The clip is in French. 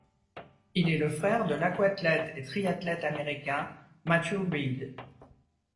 Il est le frère de l'aquathlète et triathlète américain Matthew Reed.